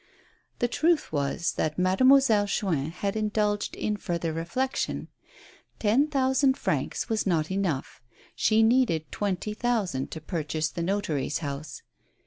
The truth was that Mademoiselle Chuin had indulged in further reflection. Ten thousand francs was not enough ; she needed twenty thousand to purchase the notary's house.